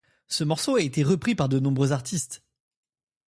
Ce morceau a été repris par de nombreux artistes.